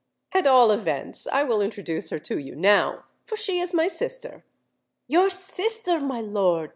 "At all events I will introduce her to you now—for she is my sister." "Your sister, my lord!"